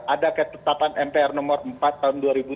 ada ketetapan mpr nomor empat tahun dua ribu tiga